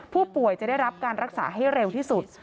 ผู้ป่วยจะได้รับการรักษาให้เร็วที่สุด